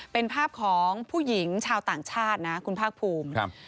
เป็นภาพของผู้หญิงชาวต่างชาตินะคุณภาคภูมิ